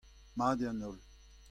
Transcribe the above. Mat eo an holl.